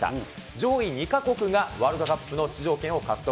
上位２か国がワールドカップの出場権を獲得。